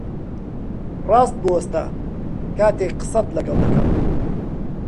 ڕاست بوەستە کاتێک قسەت لەگەڵ دەکەم!